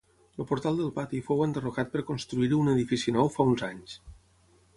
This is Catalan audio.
El portal del pati fou enderrocat per construir-hi un edifici nou fa uns anys.